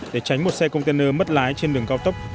để tránh một xe container mất lái trên đường cao tốc